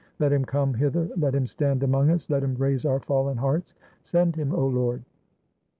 Let him come hither ; let him stand among us ; let him raise our fallen hearts! Send him, 0 Lord!"